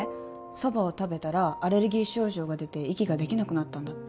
蕎麦を食べたらアレルギー症状が出て息ができなくなったんだって